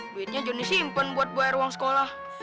duitnya joni sih impen buat buaya ruang sekolah